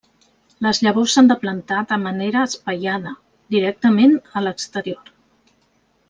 Les llavors s'han de plantar de manera espaiada, directament en l'exterior.